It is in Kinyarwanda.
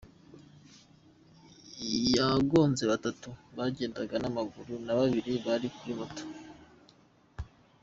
Yagonze batatu bagendaga n’ amaguru, na babiri bari kuri moto.